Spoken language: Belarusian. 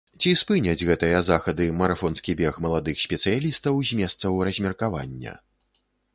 Ці спыняць гэтыя захады марафонскі бег маладых спецыялістаў з месцаў размеркавання?